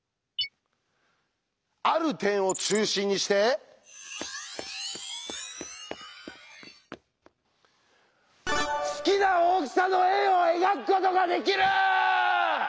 「ある点を中心にして好きな大きさの円を描くことができる」！